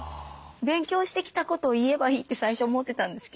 勉強してきたことを言えばいいって最初思ってたんですけど